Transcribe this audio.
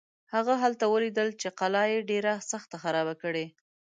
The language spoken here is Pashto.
هغه هلته ولیدل چې قلا یې ډېره سخته خرابه کړې.